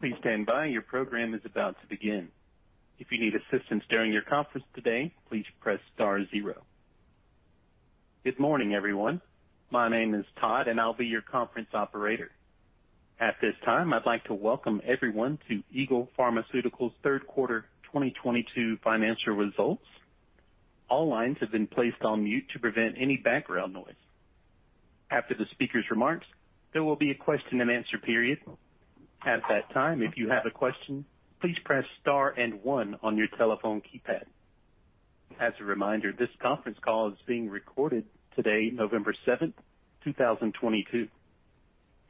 Good morning, everyone. My name is Todd, and I'll be your conference operator. At this time, I'd like to welcome everyone to Eagle Pharmaceuticals' third quarter 2022 financial results. All lines have been placed on mute to prevent any background noise. After the speaker's remarks, there will be a question-and-answer period. At that time, if you have a question, please press star and one on your telephone keypad. As a reminder, this conference call is being recorded today, November 7th, 2022.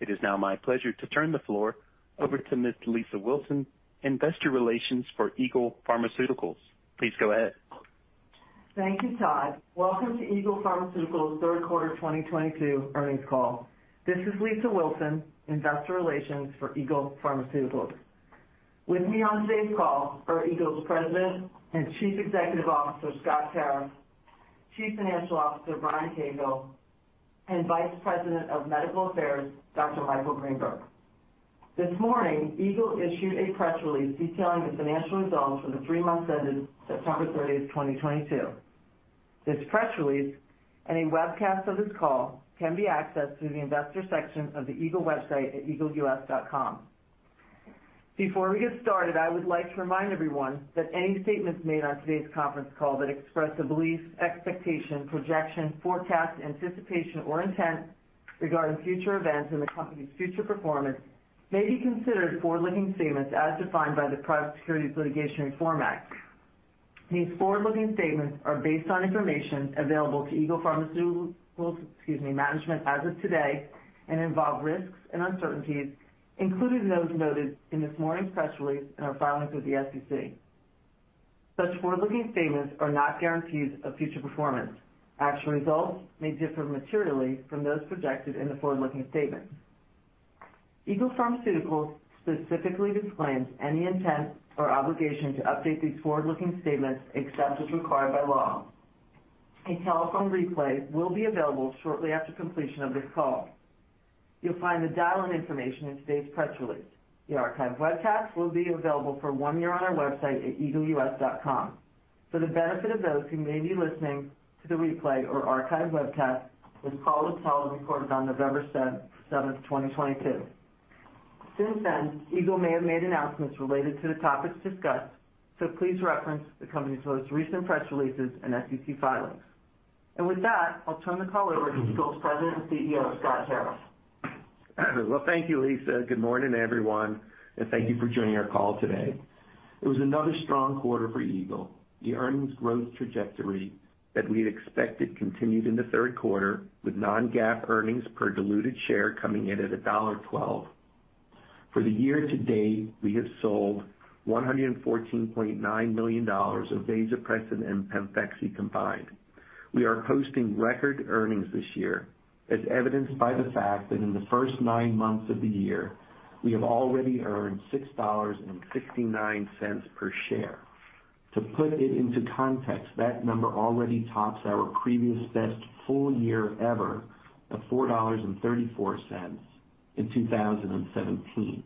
It is now my pleasure to turn the floor over to Ms. Lisa Wilson, Investor Relations for Eagle Pharmaceuticals. Please go ahead. Thank you, Todd. Welcome to Eagle Pharmaceuticals' third quarter 2022 earnings call. This is Lisa Wilson, investor relations for Eagle Pharmaceuticals. With me on today's call are Eagle's President and Chief Executive Officer, Scott Tarriff, Chief Financial Officer, Brian Cahill, and Vice President of Medical Affairs, Dr. Michael Greenberg. This morning, Eagle issued a press release detailing the financial results for the three months ended September 30, 2022. This press release and a webcast of this call can be accessed through the investor section of the Eagle website at eagleus.com. Before we get started, I would like to remind everyone that any statements made on today's conference call that express a belief, expectation, projection, forecast, anticipation, or intent regarding future events and the company's future performance may be considered forward-looking statements as defined by the Private Securities Litigation Reform Act. These forward-looking statements are based on information available to Eagle Pharmaceuticals, excuse me, management as of today and involve risks and uncertainties, including those noted in this morning's press release and our filings with the SEC. Such forward-looking statements are not guarantees of future performance. Actual results may differ materially from those projected in the forward-looking statement. Eagle Pharmaceuticals specifically disclaims any intent or obligation to update these forward-looking statements except as required by law. A telephone replay will be available shortly after completion of this call. You'll find the dial-in information in today's press release. The archived webcast will be available for one year on our website at eagleus.com. For the benefit of those who may be listening to the replay or archived webcast, this call was recorded on November 7th, 2022. Since then, Eagle may have made announcements related to the topics discussed. Please reference the company's most recent press releases and SEC filings. With that, I'll turn the call over to Eagle's President and CEO, Scott Tarriff. Well, thank you, Lisa. Good morning, everyone, and thank you for joining our call today. It was another strong quarter for Eagle. The earnings growth trajectory that we had expected continued in the third quarter, with non-GAAP earnings per diluted share coming in at $1.12. For the year-to-date, we have sold $114.9 million of vasopressin and PEMFEXY combined. We are posting record earnings this year, as evidenced by the fact that in the first nine months of the year, we have already earned $6.69 per share. To put it into context, that number already tops our previous best full year ever of $4.34 in 2017.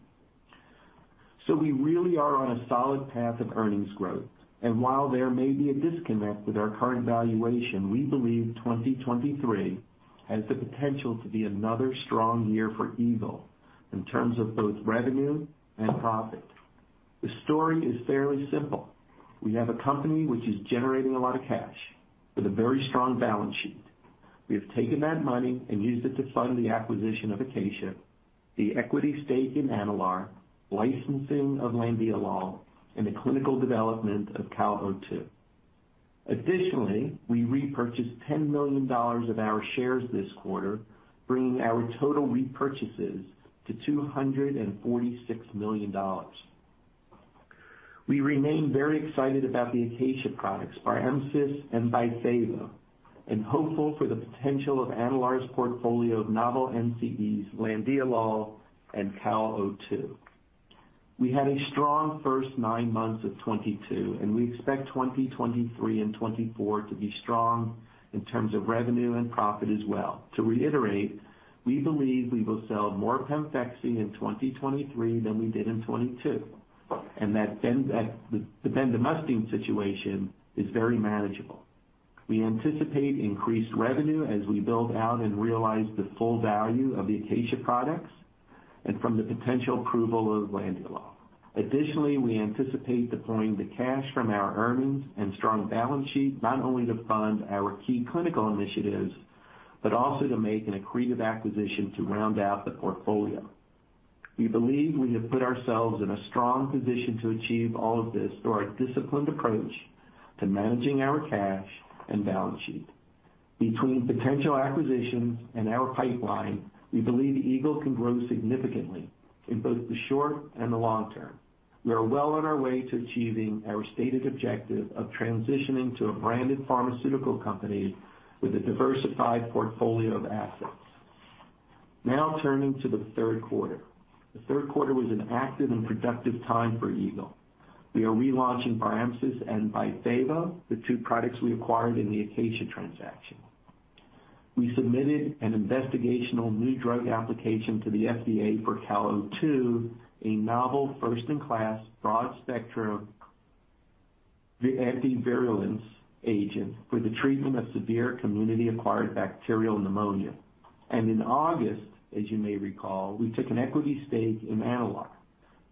We really are on a solid path of earnings growth. While there may be a disconnect with our current valuation, we believe 2023 has the potential to be another strong year for Eagle in terms of both revenue and profit. The story is fairly simple. We have a company which is generating a lot of cash with a very strong balance sheet. We have taken that money and used it to fund the acquisition of Acacia, the equity stake in Enalare, licensing of Landiolol, and the clinical development of CAL02. Additionally, we repurchased $10 million of our shares this quarter, bringing our total repurchases to $246 million. We remain very excited about the Acacia products, BARHEMSYS and BYFAVO, and hopeful for the potential of Enalare's portfolio of novel NCEs, Landiolol and CAL02. We had a strong first nine months of 2022, and we expect 2023 and 2024 to be strong in terms of revenue and profit as well. To reiterate, we believe we will sell more PEMFEXY in 2023 than we did in 2022, and that the bendamustine situation is very manageable. We anticipate increased revenue as we build out and realize the full value of the Acacia products and from the potential approval of Landiolol. Additionally, we anticipate deploying the cash from our earnings and strong balance sheet not only to fund our key clinical initiatives, but also to make an accretive acquisition to round out the portfolio. We believe we have put ourselves in a strong position to achieve all of this through our disciplined approach to managing our cash and balance sheet. Between potential acquisitions and our pipeline, we believe Eagle can grow significantly in both the short and the long term. We are well on our way to achieving our stated objective of transitioning to a branded pharmaceutical company with a diversified portfolio of assets. Now turning to the third quarter. The third quarter was an active and productive time for Eagle. We are relaunching BARHEMSYS and BYFAVO, the two products we acquired in the Acacia transaction. We submitted an investigational new drug application to the FDA for CAL02, a novel first-in-class broad-spectrum anti-virulence agent for the treatment of severe community-acquired bacterial pneumonia. In August, as you may recall, we took an equity stake in Enalare.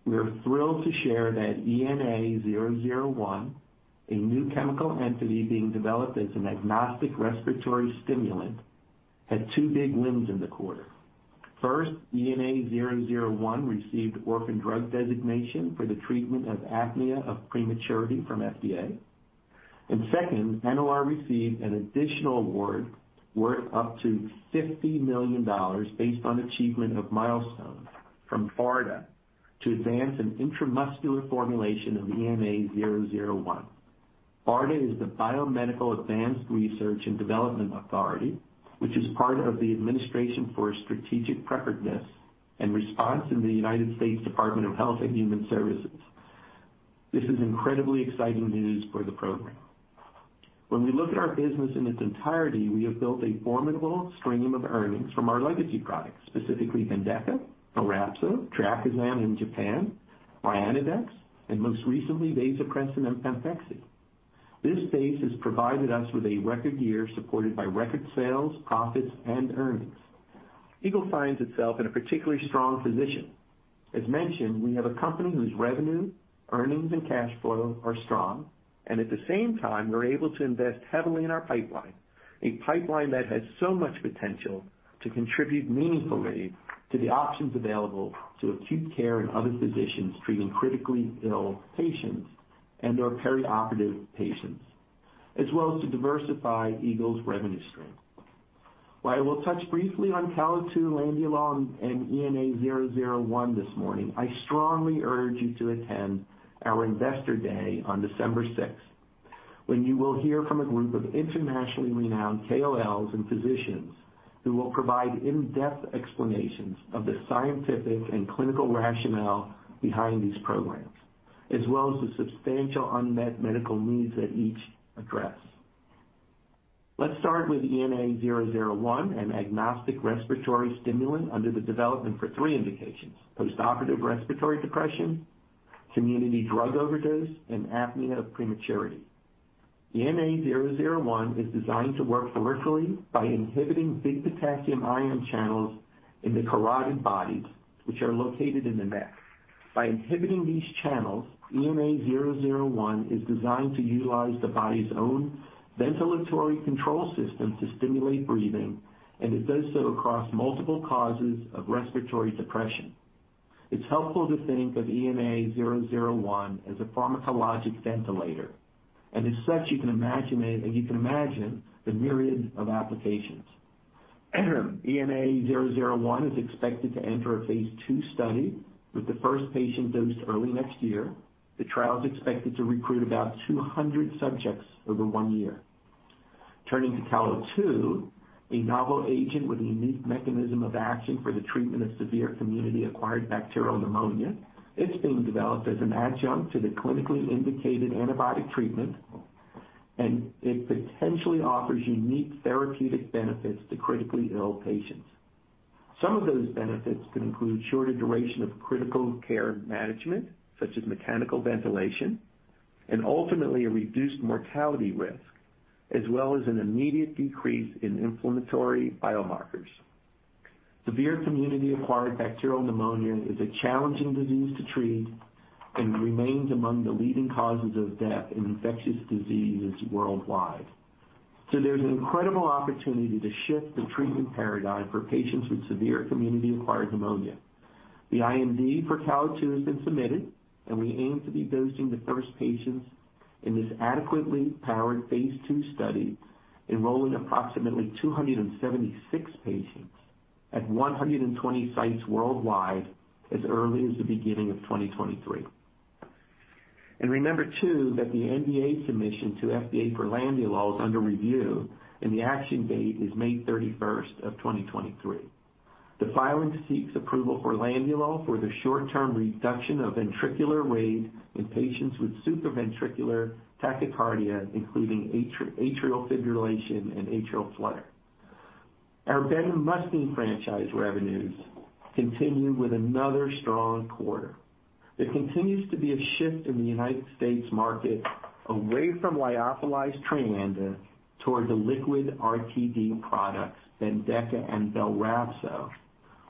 We are thrilled to share that ENA-001, a new chemical entity being developed as an agnostic respiratory stimulant, had two big wins in the quarter. First, ENA-001 received orphan drug designation for the treatment of apnea of prematurity from FDA. Second, Enalare received an additional award worth up to $50 million based on achievement of milestones from BARDA to advance an intramuscular formulation of ENA-001. BARDA is the Biomedical Advanced Research and Development Authority, which is part of the Administration for Strategic Preparedness and Response in the United States Department of Health and Human Services. This is incredibly exciting news for the program. When we look at our business in its entirety, we have built a formidable stream of earnings from our legacy products, specifically BENDEKA, BELRAPZO, TREAKISYM in Japan, RYANODEX, and most recently, vasopressin and PEMFEXY. This base has provided us with a record year supported by record sales, profits, and earnings. Eagle finds itself in a particularly strong position. As mentioned, we have a company whose revenue, earnings, and cash flow are strong, and at the same time, we're able to invest heavily in our pipeline, a pipeline that has so much potential to contribute meaningfully to the options available to acute care and other physicians treating critically ill patients and/or perioperative patients, as well as to diversify Eagle's revenue stream. While I will touch briefly on CAL02, Landiolol, and ENA-001 this morning, I strongly urge you to attend our Investor Day on December 6th, when you will hear from a group of internationally renowned KOLs and physicians who will provide in-depth explanations of the scientific and clinical rationale behind these programs, as well as the substantial unmet medical needs that each address. Let's start with ENA-001, an agnostic respiratory stimulant under development for three indications: postoperative respiratory depression, community drug overdose, and apnea of prematurity. ENA-001 is designed to work peripherally by inhibiting BK potassium ion channels in the carotid bodies, which are located in the neck. By inhibiting these channels, ENA-001 is designed to utilize the body's own ventilatory control system to stimulate breathing, and it does so across multiple causes of respiratory depression. It's helpful to think of ENA-001 as a pharmacologic ventilator, and as such, you can imagine the myriad of applications. ENA-001 is expected to enter a phase II study, with the first patient dosed early next year. The trial is expected to recruit about 200 subjects over one year. Turning to CAL02, a novel agent with a unique mechanism of action for the treatment of severe community-acquired bacterial pneumonia. It's being developed as an adjunct to the clinically indicated antibiotic treatment, and it potentially offers unique therapeutic benefits to critically ill patients. Some of those benefits can include shorter duration of critical care management, such as mechanical ventilation and ultimately a reduced mortality risk, as well as an immediate decrease in inflammatory biomarkers. Severe community-acquired bacterial pneumonia is a challenging disease to treat and remains among the leading causes of death in infectious diseases worldwide. There's an incredible opportunity to shift the treatment paradigm for patients with severe community-acquired pneumonia. The IND for CAL02 has been submitted, and we aim to be dosing the first patients in this adequately powered phase II study, enrolling approximately 276 patients at 120 sites worldwide as early as the beginning of 2023. Remember, too, that the NDA submission to FDA for Landiolol is under review, and the action date is May 31, 2023. The filing seeks approval for Landiolol for the short-term reduction of ventricular rate in patients with supraventricular tachycardia, including atrial fibrillation and atrial flutter. Our bendamustine franchise revenues continue with another strong quarter. There continues to be a shift in the United States market away from lyophilized TREANDA toward the liquid RTD products, BENDEKA and BELRAPZO,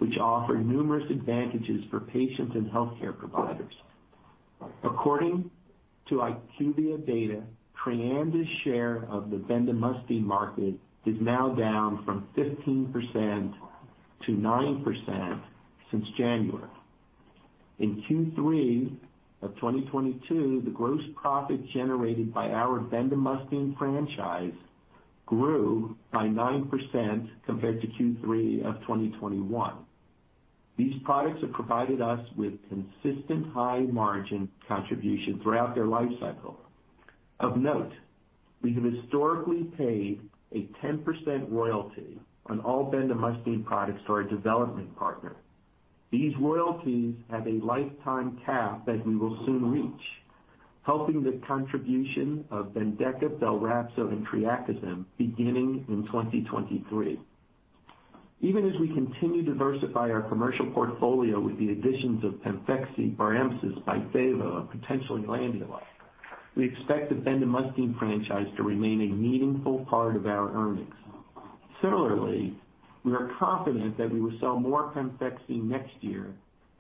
which offer numerous advantages for patients and healthcare providers. According to IQVIA data, TREANDA's share of the bendamustine market is now down from 15%-9% since January. In Q3 of 2022, the gross profit generated by our bendamustine franchise grew by 9% compared to Q3 of 2021. These products have provided us with consistent high margin contribution throughout their lifecycle. Of note, we have historically paid a 10% royalty on all bendamustine products to our development partner. These royalties have a lifetime cap that we will soon reach. Helping the contribution of BENDEKA, BELRAPZO, and TREAKISYM beginning in 2023. Even as we continue to diversify our commercial portfolio with the additions of PEMFEXY, BARHEMSYS, BYFAVO, potentially Landiolol. We expect the bendamustine franchise to remain a meaningful part of our earnings. Similarly, we are confident that we will sell more PEMFEXY next year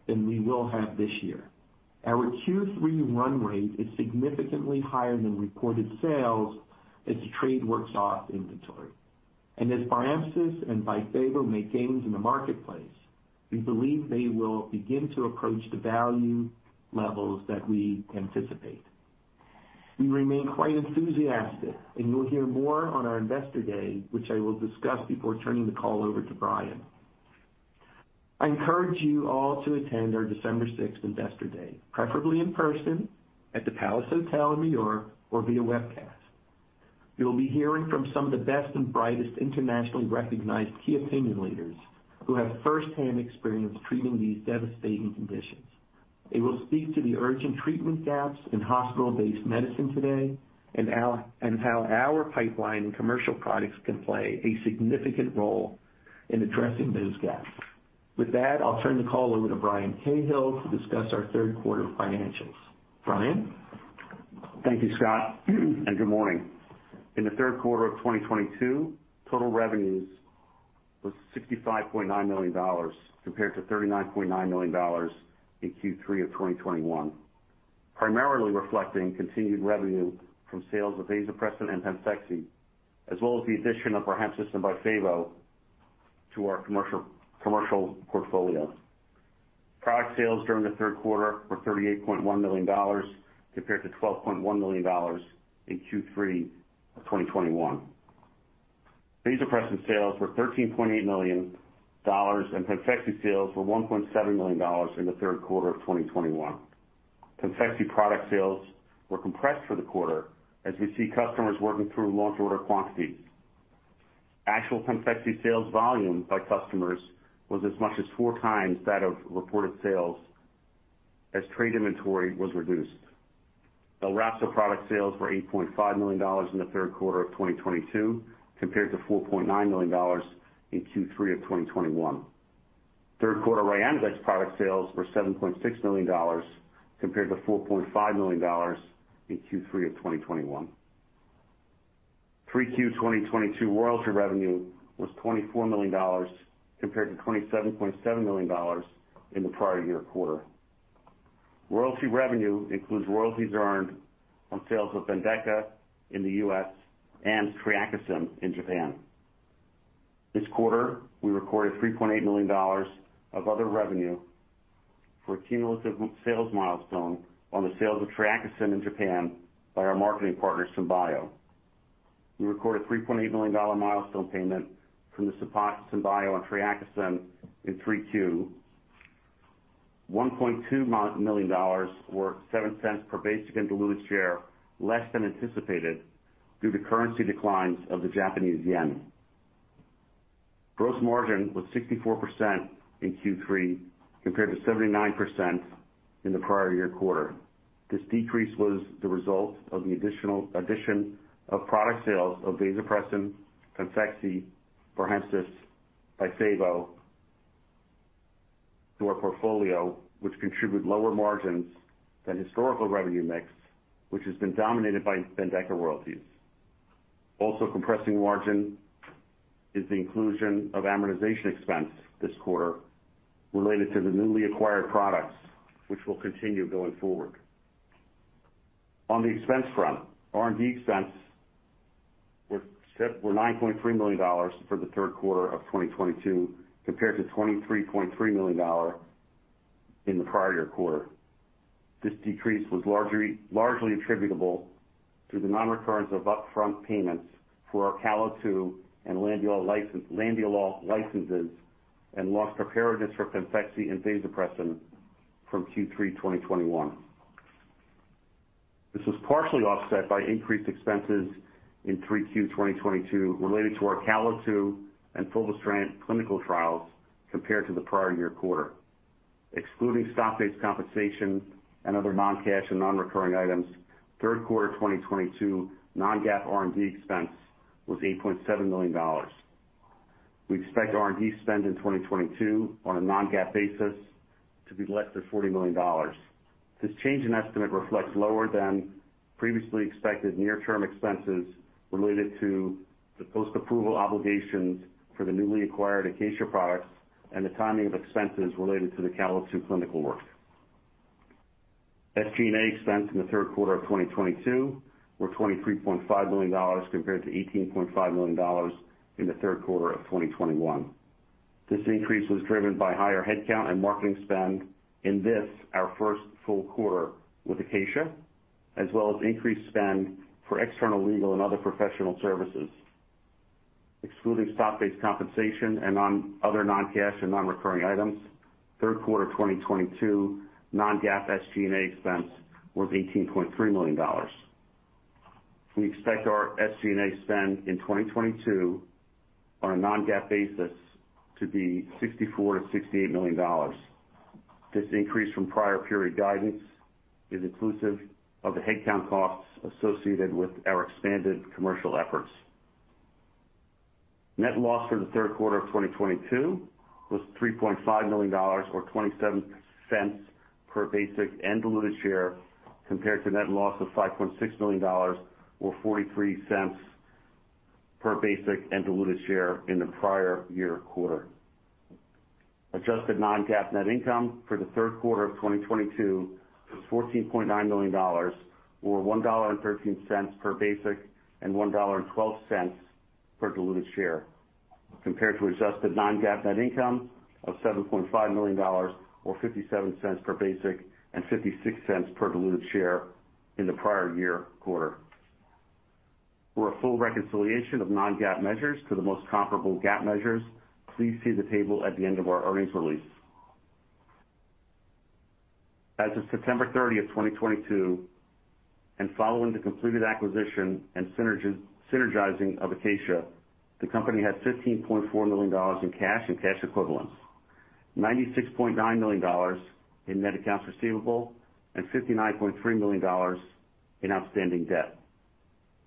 than we will have this year. Our Q3 run rate is significantly higher than reported sales as trade works off inventory. As BARHEMSYS and BYFAVO make gains in the marketplace, we believe they will begin to approach the value levels that we anticipate. We remain quite enthusiastic, and you'll hear more on our Investor Day, which I will discuss before turning the call over to Brian. I encourage you all to attend our December 6th Investor Day, preferably in person at the Palace Hotel in New York or via webcast. You will be hearing from some of the best and brightest internationally recognized key opinion leaders who have firsthand experience treating these devastating conditions. They will speak to the urgent treatment gaps in hospital-based medicine today and how our pipeline commercial products can play a significant role in addressing those gaps. With that, I'll turn the call over to Brian Cahill to discuss our third quarter financials. Brian? Thank you, Scott, and good morning. In the third quarter of 2022, total revenues was $65.9 million compared to $39.9 million in Q3 of 2021. Primarily reflecting continued revenue from sales of Vasopressin and PEMFEXY, as well as the addition of our BARHEMSYS and BYFAVO to our commercial portfolio. Product sales during the third quarter were $38.1 million compared to $12.1 million in Q3 of 2021. Vasopressin sales were $13.8 million, and PEMFEXY sales were $1.7 million in the third quarter of 2021. PEMFEXY product sales were compressed for the quarter as we see customers working through launch order quantities. Actual PEMFEXY sales volume by customers was as much as 4 times that of reported sales as trade inventory was reduced. BELRAPZO product sales were $8.5 million in the third quarter of 2022, compared to $4.9 million in Q3 of 2021. Third quarter RYANODEX product sales were $7.6 million, compared to $4.5 million in Q3 of 2021. 3Q 2022 royalty revenue was $24 million, compared to $27.7 million in the prior year quarter. Royalty revenue includes royalties earned on sales of BENDEKA in the U.S. and TREAKISYM in Japan. This quarter, we recorded $3.8 million of other revenue for a cumulative sales milestone on the sales of TREAKISYM in Japan by our marketing partner, SymBio. We recorded a $3.8 million milestone payment from SymBio on TREAKISYM in 3Q. $1.2 million or $0.07 per basic and diluted share, less than anticipated due to currency declines of the Japanese yen. Gross margin was 64% in Q3, compared to 79% in the prior year quarter. This decrease was the result of the addition of product sales of vasopressin, PEMFEXY, BARHEMSYS, BYFAVO to our portfolio, which contribute lower margins than historical revenue mix, which has been dominated by BENDEKA royalties. Also compressing margin is the inclusion of amortization expense this quarter related to the newly acquired products, which will continue going forward. On the expense front, R&D expense were $9.3 Million for the third quarter of 2022, compared to $23.3 Million in the prior quarter. This decrease was largely attributable to the non-recurrence of upfront payments for our CAL02 and Landiolol licenses and launch preparedness for PEMFEXY and vasopressin from Q3 2021. This was partially offset by increased expenses in 3Q 2022 related to our CAL02 and fulvestrant clinical trials compared to the prior year quarter. Excluding stock-based compensation and other non-cash and non-recurring items, third quarter 2022 non-GAAP R&D expense was $8.7 million. We expect R&D spend in 2022 on a non-GAAP basis to be less than $40 million. This change in estimate reflects lower than previously expected near-term expenses related to the post-approval obligations for the newly acquired Acacia products and the timing of expenses related to the CAL02 clinical work. SG&A expense in the third quarter of 2022 was $23.5 million compared to $18.5 million in the third quarter of 2021. This increase was driven by higher headcount and marketing spend in this, our first full quarter with Acacia, as well as increased spend for external legal and other professional services. Excluding stock-based compensation and other non-cash and non-recurring items, third quarter 2022 non-GAAP SG&A expense was $18.3 million. We expect our SG&A spend in 2022 on a non-GAAP basis to be $64 million-$68 million. This increase from prior period guidance is inclusive of the headcount costs associated with our expanded commercial efforts. Net loss for the third quarter of 2022 was $3.5 million or $0.27 per basic and diluted share compared to net loss of $5.6 million or $0.43 per basic and diluted share in the prior year quarter. Adjusted non-GAAP net income for the third quarter of 2022 was $14.9 million or $1.13 per basic and $1.12 per diluted share, compared to Adjusted non-GAAP net income of $7.5 million or $0.57 per basic and $0.56 per diluted share in the prior year quarter. For a full reconciliation of non-GAAP measures to the most comparable GAAP measures, please see the table at the end of our earnings release. As of September 30, 2022, following the completed acquisition and synergizing of Acacia, the company had $15.4 million in cash and cash equivalents, $96.9 million in net accounts receivable, and $59.3 million in outstanding debt,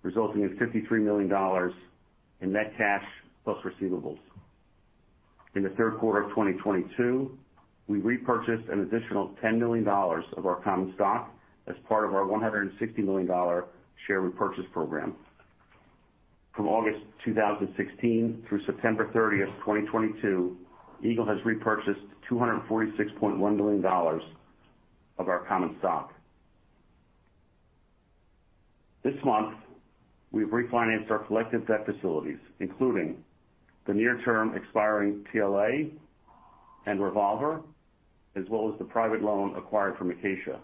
resulting in $53 million in net cash plus receivables. In the third quarter of 2022, we repurchased an additional $10 million of our common stock as part of our $160 million share repurchase program. From August 2016 through September 30, 2022, Eagle has repurchased $246.1 million of our common stock. This month, we've refinanced our collective debt facilities, including the near-term expiring TLA and revolver, as well as the private loan acquired from Acacia.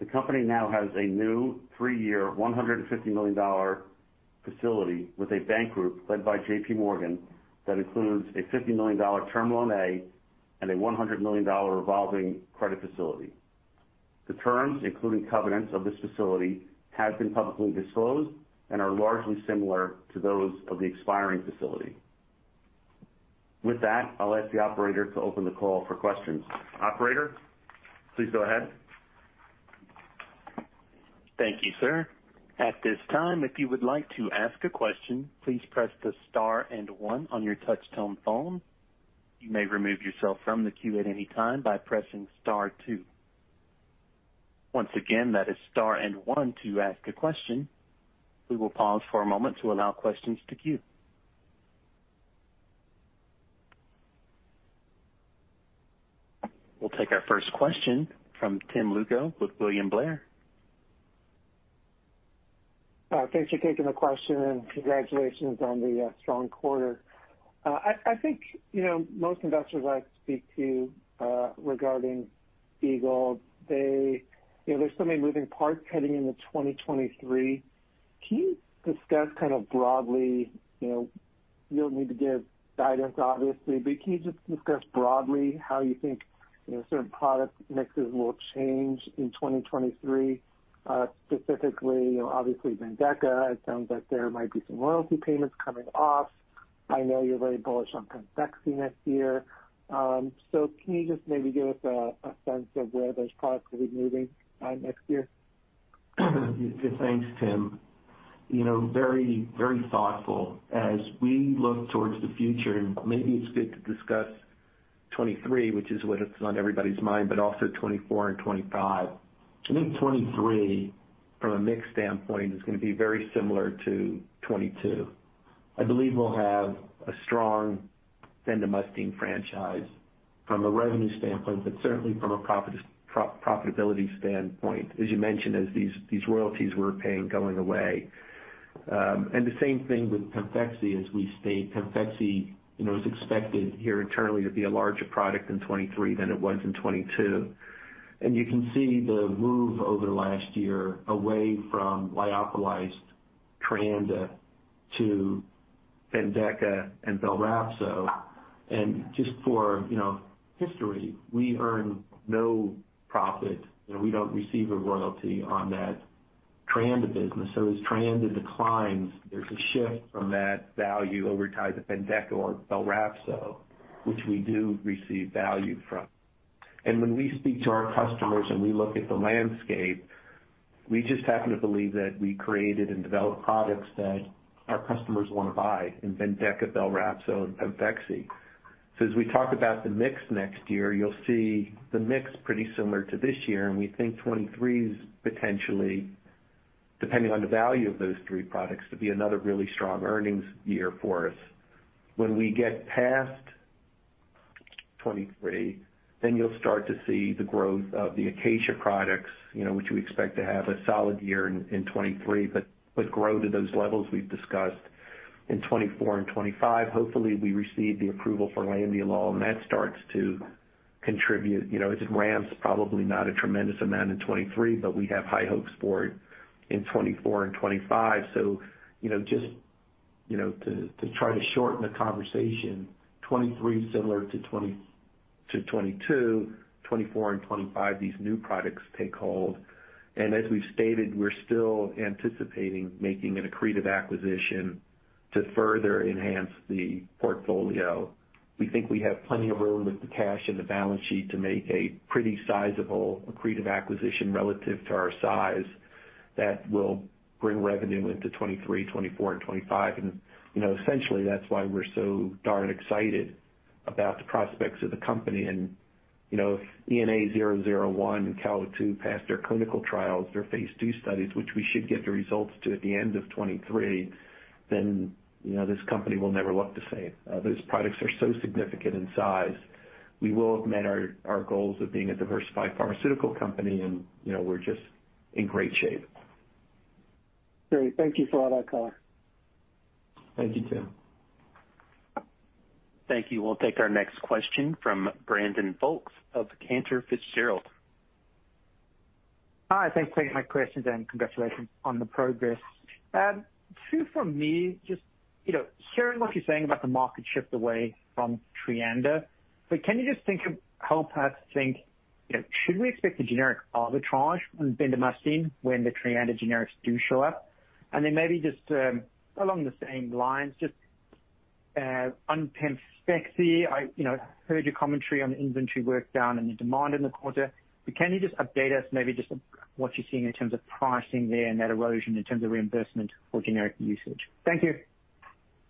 The company now has a new three-year, $150 million facility with a bank group led by J.P. Morgan. That includes a $50 million term Loan A and a $100 million revolving credit facility. The terms, including covenants of this facility, have been publicly disclosed and are largely similar to those of the expiring facility. With that, I'll ask the operator to open the call for questions. Operator, please go ahead. Thank you, sir. At this time, if you would like to ask a question, please press the star and one on your touchtone phone. You may remove yourself from the queue at any time by pressing star two. Once again, that is star and one to ask a question. We will pause for a moment to allow questions to queue. We'll take our first question from Tim Lugo with William Blair. Thanks for taking the question and congratulations on the strong quarter. I think, you know, most investors I speak to, regarding Eagle, they, you know, there's so many moving parts heading into 2023. Can you discuss kind of broadly, you know, you don't need to give guidance obviously, but can you just discuss broadly how you think, you know, certain product mixes will change in 2023? Specifically, you know, obviously BENDEKA, it sounds like there might be some royalty payments coming off. I know you're very bullish on PEMFEXY next year. Can you just maybe give us a sense of where those products will be moving next year? Thanks, Tim. You know, very, very thoughtful. As we look towards the future, and maybe it's good to discuss 2023, which is what is on everybody's mind, but also 2024 and 2025. I think 2023, from a mix standpoint, is gonna be very similar to 2022. I believe we'll have a strong bendamustine franchise from a revenue standpoint, but certainly from a profit, pro-profitability standpoint. As you mentioned, as these royalties we're paying going away. And the same thing with PEMFEXY as we state. PEMFEXY, you know, is expected here internally to be a larger product in 2023 than it was in 2022. You can see the move over the last year away from lyophilized Treanda to BENDEKA and BELRAPZO. Just for, you know, history, we earn no profit and we don't receive a royalty on that Treanda business. As Treanda declines, there's a shift from that value over time to BENDEKA or BELRAPZO, which we do receive value from. When we speak to our customers and we look at the landscape, we just happen to believe that we created and developed products that our customers wanna buy in BENDEKA, BELRAPZO, and PEMFEXY. As we talk about the mix next year, you'll see the mix pretty similar to this year, and we think 2023's potentially, depending on the value of those three products, to be another really strong earnings year for us. When we get past 2023, then you'll start to see the growth of the Acacia products, you know, which we expect to have a solid year in 2023, but grow to those levels we've discussed in 2024 and 2025. Hopefully, we receive the approval for Landiolol, and that starts to contribute. You know, it ramps probably not a tremendous amount in 2023, but we have high hopes for it in 2024 and 2025. You know, just You know, to try to shorten the conversation, 2023 similar to 2022 to 2024 and 2025, these new products take hold. As we've stated, we're still anticipating making an accretive acquisition to further enhance the portfolio. We think we have plenty of room with the cash in the balance sheet to make a pretty sizable accretive acquisition relative to our size that will bring revenue into 2023, 2024 and 2025. You know, essentially that's why we're so darn excited about the prospects of the company. You know, if ENA-001 and CAL02 pass their clinical trials, their phase II studies, which we should get the results to at the end of 2023, then, you know, this company will never look the same. Those products are so significant in size. We will have met our goals of being a diversified pharmaceutical company and, you know, we're just in great shape. Great. Thank you for all that, Scott Tarriff. Thank you, Tim. Thank you. We'll take our next question from Brandon Folkes of Cantor Fitzgerald. Hi, thanks for taking my questions and congratulations on the progress. Two for me. Just, you know, hearing what you're saying about the market shift away from Treanda, but can you help us think, you know, should we expect a generic arbitrage on bendamustine when the Treanda generics do show up? Then maybe just, along the same lines, just, on PEMFEXY, I, you know, heard your commentary on the inventory drawdown and the demand in the quarter, but can you just update us maybe just what you're seeing in terms of pricing there and that erosion in terms of reimbursement for generic usage? Thank you.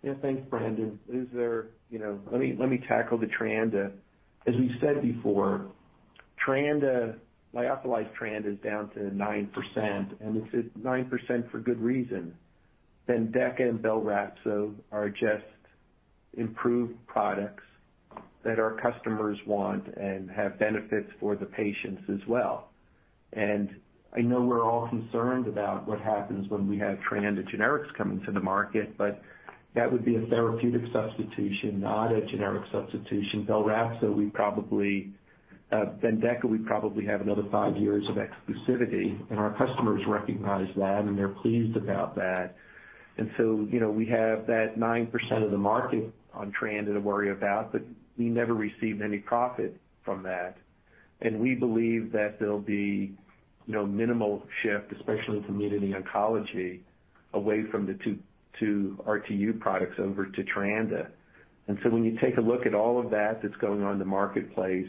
Yeah, thanks, Brandon. You know, let me tackle the Treanda. As we've said before, Treanda, lyophilized Treanda is down to 9%, and it's at 9% for good reason. BENDEKA and BELRAPZO are just improved products that our customers want and have benefits for the patients as well. I know we're all concerned about what happens when we have Treanda generics coming to the market, but that would be a therapeutic substitution, not a generic substitution. BELRAPZO, we probably BENDEKA, we probably have another five years of exclusivity, and our customers recognize that and they're pleased about that. You know, we have that 9% of the market on Treanda to worry about, but we never received any profit from that. We believe that there'll be, you know, minimal shift, especially from community oncology, away from the two RTU products over to Treanda. When you take a look at all of that that's going on in the marketplace,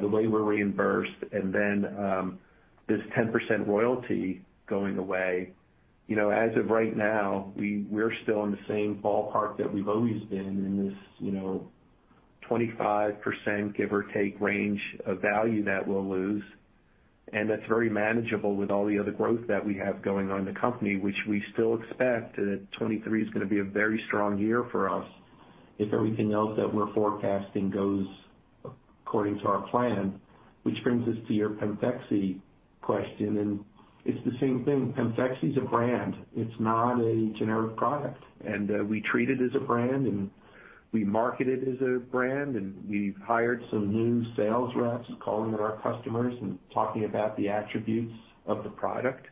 the way we're reimbursed and then, this 10% royalty going away, you know, as of right now, we're still in the same ballpark that we've always been in this, you know, 25% give or take range of value that we'll lose. That's very manageable with all the other growth that we have going on in the company, which we still expect that 2023 is gonna be a very strong year for us if everything else that we're forecasting goes according to our plan, which brings us to your PEMFEXY question. It's the same thing. PEMFEXY is a brand. It's not a generic product. We treat it as a brand, and we market it as a brand, and we've hired some new sales reps calling on our customers and talking about the attributes of the product.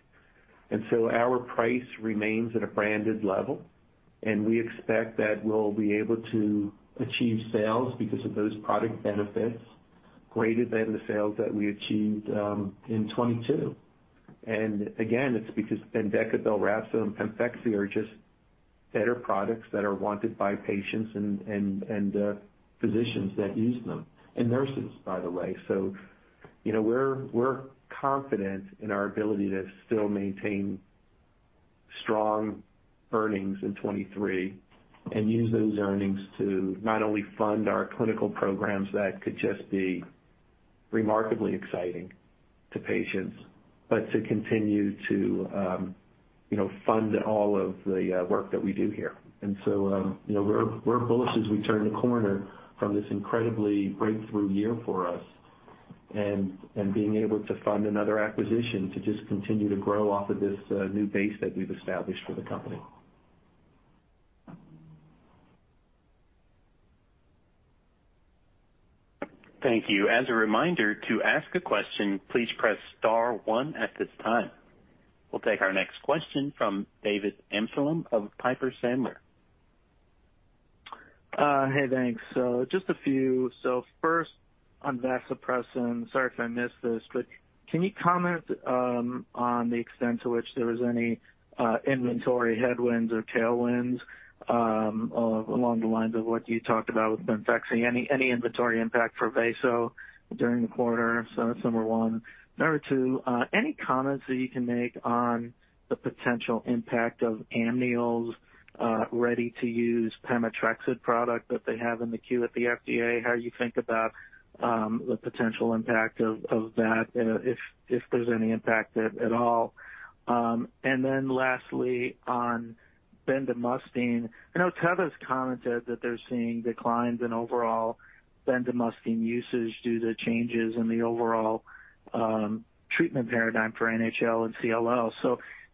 Our price remains at a branded level, and we expect that we'll be able to achieve sales because of those product benefits greater than the sales that we achieved in 2022. Again, it's because BENDEKA, BELRAPZO, and PEMFEXY are just better products that are wanted by patients and physicians that use them, and nurses, by the way. You know, we're confident in our ability to still maintain strong earnings in 2023 and use those earnings to not only fund our clinical programs that could just be remarkably exciting to patients, but to continue to, you know, fund all of the work that we do here. You know, we're bullish as we turn the corner from this incredibly breakthrough year for us and being able to fund another acquisition to just continue to grow off of this new base that we've established for the company. Thank you. As a reminder, to ask a question, please press star one at this time. We'll take our next question from David Amsellem of Piper Sandler. Hey, thanks. Just a few. First on vasopressin, sorry if I missed this, but can you comment on the extent to which there was any inventory headwinds or tailwinds along the lines of what you talked about with PEMFEXY? Any inventory impact for vaso during the quarter, so similar one. Number two, any comments that you can make on the potential impact of Amneal's ready-to-use pemetrexed product that they have in the queue at the FDA? How you think about the potential impact of that, if there's any impact at all. Lastly, on bendamustine. I know Teva's commented that they're seeing declines in overall bendamustine usage due to changes in the overall treatment paradigm for NHL and CLL.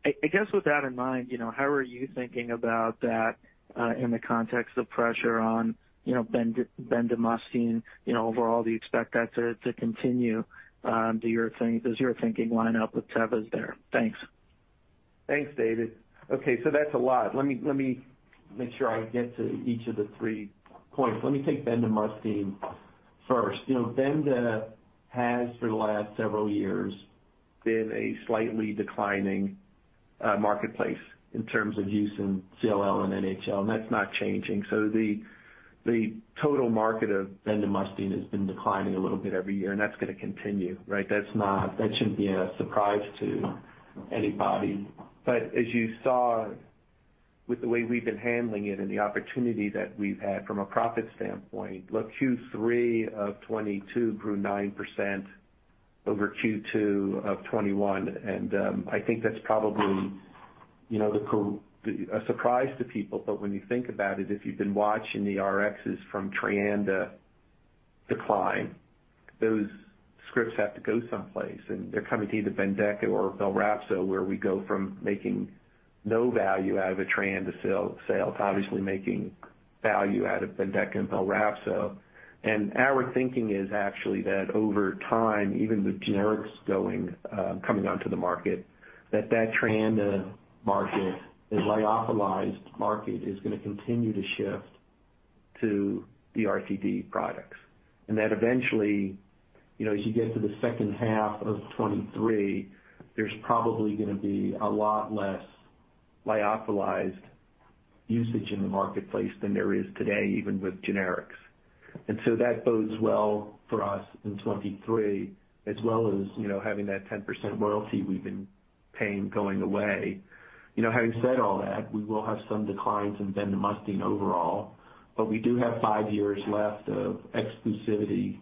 I guess with that in mind, you know, how are you thinking about that in the context of pressure on, you know, bendamustine? You know, overall, do you expect that to continue? Does your thinking line up with Teva's there? Thanks. Thanks, David. Okay, that's a lot. Let me make sure I get to each of the three points. Let me take bendamustine first. You know, benda has for the last several years been a slightly declining marketplace in terms of use in CLL and NHL, and that's not changing. The total market of bendamustine has been declining a little bit every year, and that's gonna continue, right? That shouldn't be a surprise to anybody. As you saw with the way we've been handling it and the opportunity that we've had from a profit standpoint, look, Q3 of 2022 grew 9% over Q2 of 2021, and I think that's probably, you know, a surprise to people. When you think about it, if you've been watching the RXs from Treanda decline, those scripts have to go someplace, and they're coming to either BENDEKA or BELRAPZO, where we go from making no value out of a Treanda sale to obviously making value out of BENDEKA and BELRAPZO. Our thinking is actually that over time, even with generics coming onto the market, that Treanda market, the lyophilized market, is gonna continue to shift to the RTD products. That eventually, you know, as you get to the second half of 2023, there's probably gonna be a lot less lyophilized usage in the marketplace than there is today, even with generics. That bodes well for us in 2023, as well as, you know, having that 10% royalty we've been paying going away. You know, having said all that, we will have some declines in bendamustine overall, but we do have five years left of exclusivity,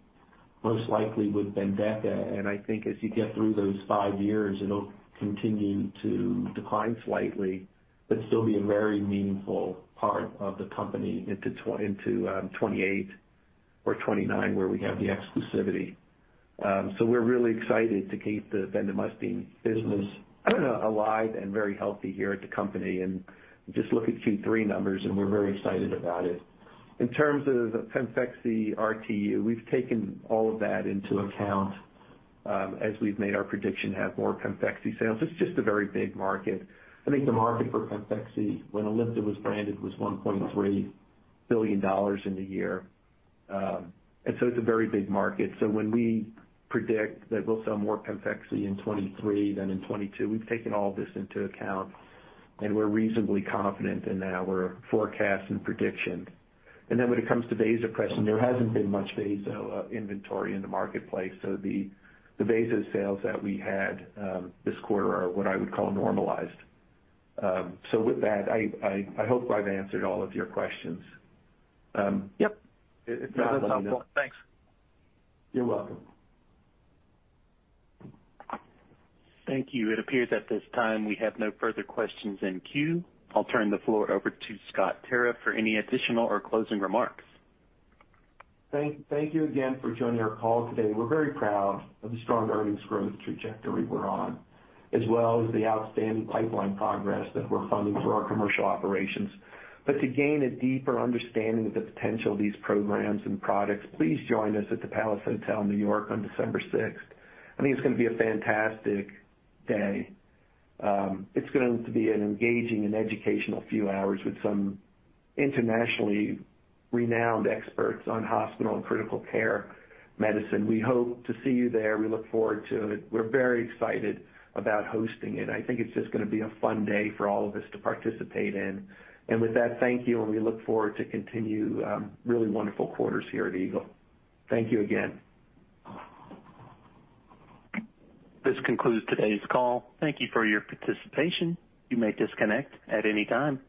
most likely with BENDEKA. I think as you get through those five years, it'll continue to decline slightly but still be a very meaningful part of the company into 2028 or 2029, where we have the exclusivity. We're really excited to keep the bendamustine business, I don't know, alive and very healthy here at the company. Just look at Q3 numbers, and we're very excited about it. In terms of PEMFEXY RTU, we've taken all of that into account, as we've made our prediction to have more PEMFEXY sales. It's just a very big market. I think the market for PEMFEXY when Alimta was branded was $1.3 billion in the year. It's a very big market. When we predict that we'll sell more PEMFEXY in 2023 than in 2022, we've taken all this into account, and we're reasonably confident in our forecast and prediction. When it comes to vasopressin, there hasn't been much vaso inventory in the marketplace. The vaso sales that we had this quarter are what I would call normalized. With that, I hope I've answered all of your questions. Yep. If not, let me know. That's helpful. Thanks. You're welcome. Thank you. It appears at this time we have no further questions in queue. I'll turn the floor over to Scott Tarriff for any additional or closing remarks. Thank you again for joining our call today. We're very proud of the strong earnings growth trajectory we're on, as well as the outstanding pipeline progress that we're funding through our commercial operations. To gain a deeper understanding of the potential of these programs and products, please join us at the Palace Hotel in New York on December 6th. I think it's gonna be a fantastic day. It's going to be an engaging and educational few hours with some internationally renowned experts on hospital and critical care medicine. We hope to see you there. We look forward to it. We're very excited about hosting it. I think it's just gonna be a fun day for all of us to participate in. With that, thank you, and we look forward to continued really wonderful quarters here at Eagle. Thank you again. This concludes today's call. Thank you for your participation. You may disconnect at any time.